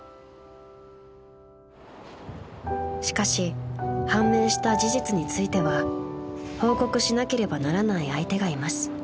［しかし判明した事実については報告しなければならない相手がいます］